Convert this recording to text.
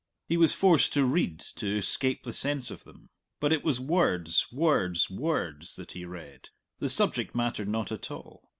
He was forced to read to escape the sense of them. But it was words, words, words, that he read; the subject mattered not at all.